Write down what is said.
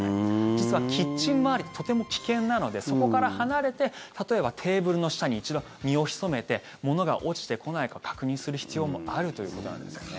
実はキッチン周りってとても危険なのでそこから離れて例えばテーブルの下に一度身を潜めて物が落ちてこないか確認する必要もあるということです。